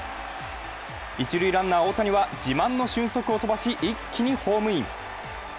一塁ランナー・大谷は自慢の俊足を飛ばし、一気にホームイン。